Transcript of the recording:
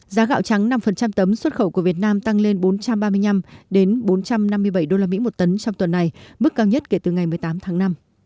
giá gạo trắng năm tấm xuất khẩu của việt nam tăng lên bốn trăm ba mươi năm bốn trăm năm mươi bảy usd một tấn trong tuần này mức cao nhất kể từ ngày một mươi tám tháng năm